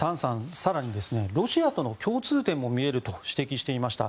更にロシアとの共通点も見えると指摘していました。